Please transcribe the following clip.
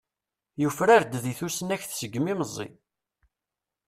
Yufrar-d deg tusnakt segmi meẓẓi.